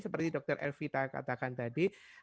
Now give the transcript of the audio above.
seperti dr elvita katakan tadi